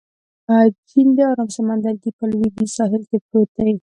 چین د ارام سمندرګي په لوېدیځ ساحل کې پروت دی.